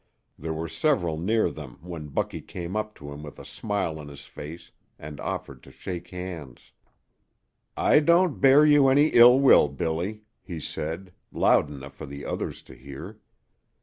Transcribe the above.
There were several near them when Bucky came up to him with a smile on his face and offered to shake hands. "I don't bear you any ill will, Billy," he said, loud enough for the others to hear.